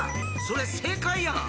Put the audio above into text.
それ正解やん！